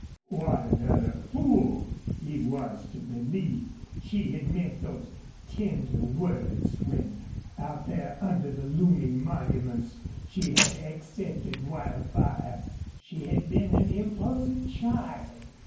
What an utter fool he was to believe she had meant those tender words when, out there under the looming monuments, she had accepted Wildfire! She had been an impulsive child.